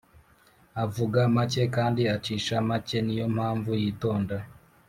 Avuga make kandi acisha make niyompamvu yitonda